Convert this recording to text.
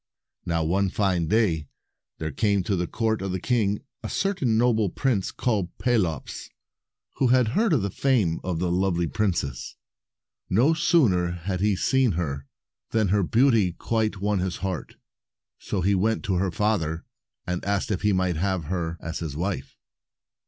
Now, one fine day, there came to the court of the king a certain noble prince called Pelops, who had heard of the fame of the lovely princess. * No sooner had he seen her, than her beauty quite won his heart. So he went to her father, and asked if he might have her as his wife.